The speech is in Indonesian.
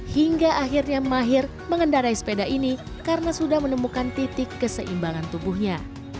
hingga akhirnya mahir mengendarai sepeda ini karena sudah menemukan titik keseimbangan tubuhnya